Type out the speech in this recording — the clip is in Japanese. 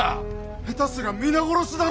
下手すりゃ皆殺しだら！